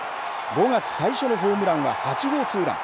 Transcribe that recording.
５月最初のホームランは８号ツーラン。